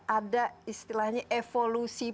ada istilahnya evolusi